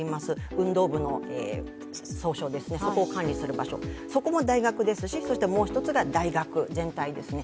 運動部の総称ですね、そこを管理する場所、そこも大学ですし、もう１つが大学全体ですね。